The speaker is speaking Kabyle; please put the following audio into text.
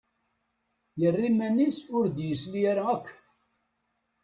Yerra iman-is ur d-yesli ara akk.